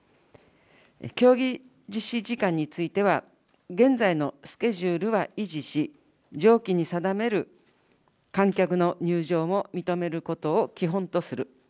競技実施時間については、現在のスケジュールは維持し、上記に定める観客の入場も認めることを基本とする。